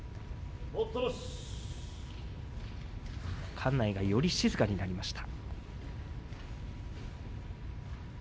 館内がより静かになりました。